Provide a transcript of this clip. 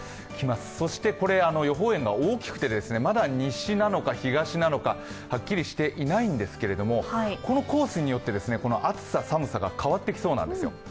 そして予報円が大きくてまだ西なのか東なのか、はっきりしていないんですけど、このコースによって暑さ、寒さが変わってきそうなんですよ。